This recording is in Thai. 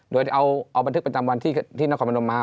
โดยเอาบันทึกประจำวันที่นครพนมมา